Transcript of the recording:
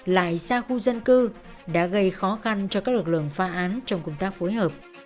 lại xa khu dân cư đã gây khó khăn cho các lực lượng phá án trong công tác phối hợp